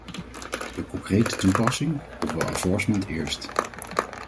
De concrete toepassing, ofwel enforcement eerst.